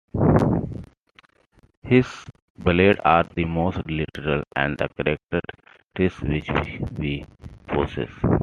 His ballads are the most literal and characteristic which we possess.